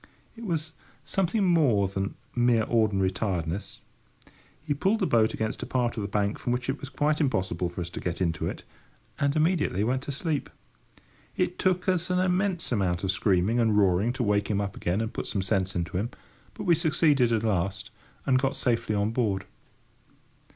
It was something more than mere ordinary tiredness. He pulled the boat against a part of the bank from which it was quite impossible for us to get into it, and immediately went to sleep. It took us an immense amount of screaming and roaring to wake him up again and put some sense into him; but we succeeded at last, and got safely on board.